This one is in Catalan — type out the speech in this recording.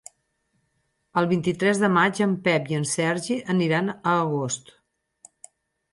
El vint-i-tres de maig en Pep i en Sergi aniran a Agost.